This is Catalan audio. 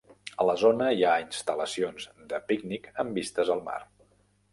A la zona hi ha instal·lacions de pícnic amb vistes al mar.